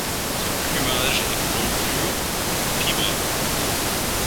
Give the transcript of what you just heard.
Son plumage est blanc pur ou pie-brun.